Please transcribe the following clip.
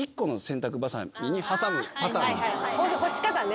干し方ね。